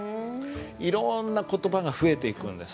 いろんな言葉が増えていくんです。